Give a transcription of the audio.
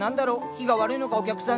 日が悪いのかお客さん